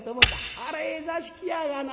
あらええ座敷やがな。